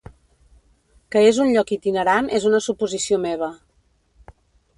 Que és un lloc itinerant és una suposició meva.